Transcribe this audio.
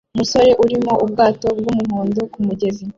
Umusore urimo ubwato bwumuhondo kumugezi